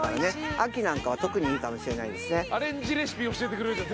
秋なんかは特にいいかもしれないですね。